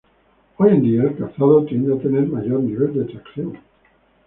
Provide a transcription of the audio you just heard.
Hoy en día el calzado tiende a tener mayor nivel de tracción.